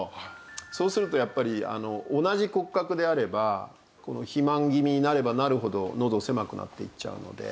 そうするとやっぱり同じ骨格であれば肥満気味になればなるほど喉狭くなっていっちゃうので。